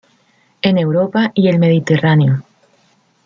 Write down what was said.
En Europa y el Mediterráneo.